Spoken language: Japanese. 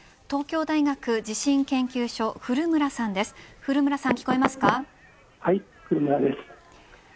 東京大学地震研究所古村さんです。